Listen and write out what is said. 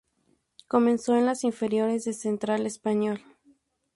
Comenzó en las inferiores de Central Español.